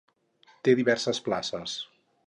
Té diverses places.